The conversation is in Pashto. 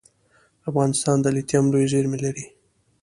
افغانستان د لیتیم لویې زیرمې لري